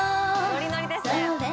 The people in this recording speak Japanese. ノリノリですね。